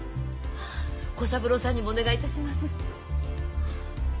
小三郎さんにもお願いいたします。